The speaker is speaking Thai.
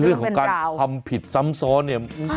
เรื่องของการทำผิดซ้ำซ้อนเนี่ย